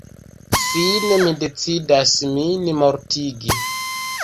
Fine mi decidas min mortigi.